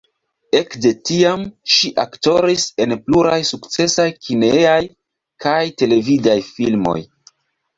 Ekde tiam ŝi aktoris en pluraj sukcesaj kinejaj kaj televidaj filmoj.